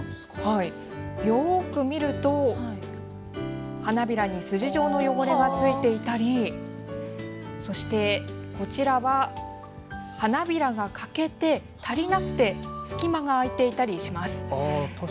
よく見ると花びらに筋状の汚れが付いていたり、こちらは花びらが欠けて足りなくて隙間が空いていたりします。